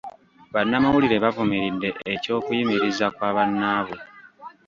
Bannamawulire bavumiridde eky'okuyimiriza kwa bannaabwe.